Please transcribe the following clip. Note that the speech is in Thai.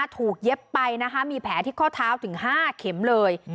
เย็บไปนะคะมีแผลที่ข้อเท้าถึง๕เข็มเลย